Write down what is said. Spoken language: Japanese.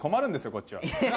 こっちは。